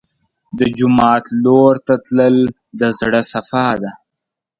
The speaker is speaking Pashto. د جومات لور ته تلل د زړه صفا ده.